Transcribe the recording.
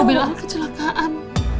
mobil aku kecelakaan